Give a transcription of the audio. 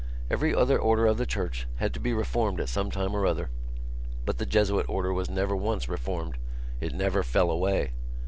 Every other order of the Church had to be reformed at some time or other but the Jesuit Order was never once reformed. It never fell away."